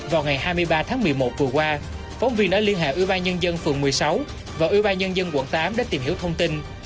vào ngày hai mươi ba tháng một mươi một vừa qua phóng viên đã liên hệ ưu ba nhân dân phường một mươi sáu và ưu ba nhân dân quận tám để tìm hiểu thông tin